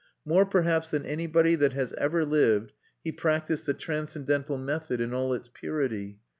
More, perhaps, than anybody that has ever lived, he practised the transcendental method in all its purity.